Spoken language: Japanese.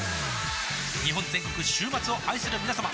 日本全国週末を愛するみなさま